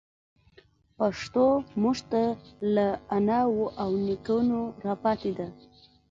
پښتو موږ ته له اناوو او نيکونو راپاتي ده.